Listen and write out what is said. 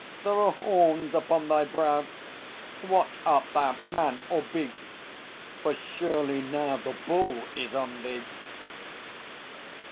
There are horns upon thy brow! What art thou, man or beast? For surely now The Bull is on thee!